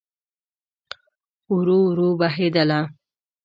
ورو، ورو بهیدله